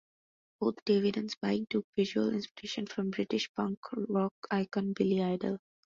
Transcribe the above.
Both David and Spike took visual inspiration from British punk rock icon Billy Idol.